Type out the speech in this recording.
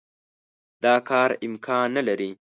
دا کار امکان نه لري.